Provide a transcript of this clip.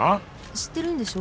知ってるんでしょ？